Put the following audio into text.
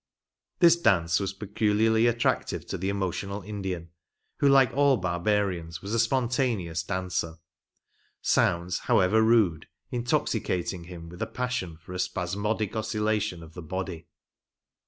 This dance was peculiarly attractive to the emotional Indian, who, like all barbarians, was a spontaneous dancer ; sounds, however rude, intoxicating him with a passion for a spasmodic oscillation of the body.